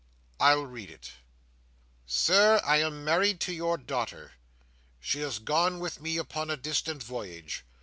I'll read it." "'Sir. I am married to your daughter. She is gone with me upon a distant voyage.